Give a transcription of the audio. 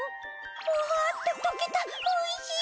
ふわっととけたおいしい！